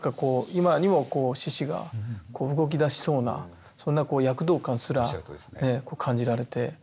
今にも獅子が動きだしそうなそんな躍動感すら感じられて。